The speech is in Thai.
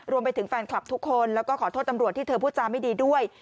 รวมไปถึงแฟนคลับทุกคนแล้วก็ขอโทษตำรวจที่เธอพูดจาไม่ดีด้วย